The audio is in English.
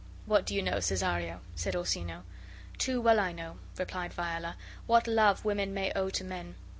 "What do you know, Cesario?" said Orsino. "Too well I know," replied Viola, "what love women may owe to men.